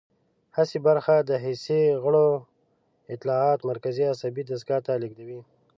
حسي برخه د حسي غړو اطلاعات مرکزي عصبي دستګاه ته لیږدوي.